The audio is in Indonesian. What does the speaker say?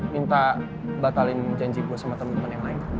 minta batalin janji gue sama temen temen yang lain